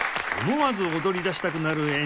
思わず踊り出したくなる演奏